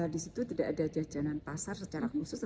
di situ tidak ada jajanan pasar secara khusus